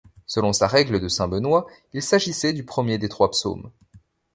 Selon sa règle de saint Benoît, il s'agissait du premier des trois psaumes.